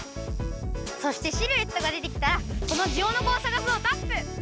そしてシルエットが出てきたら「このジオノコをさがす」をタップ！